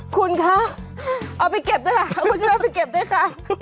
คุณค่าเอาไปเก็บด้วยค่ะเอาไปเก็บด้วยค่ะ